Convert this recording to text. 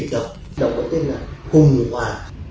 chất tịch độc có tên là hùng hoà